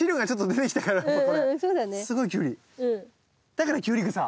だからキュウリグサ。